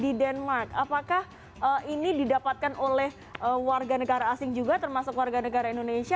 di denmark apakah ini didapatkan oleh warga negara asing juga termasuk warga negara indonesia